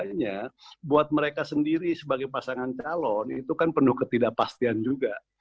artinya buat mereka sendiri sebagai pasangan calon itu kan penuh ketidakpastian juga